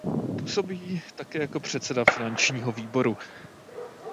Působí také jako předseda Finančního výboru.